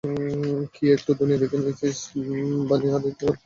কি একটু দুনিয়া দেখে নিয়েছিস, বানি আর এতেই তোর মাথা খারাপ হয়ে গেছে!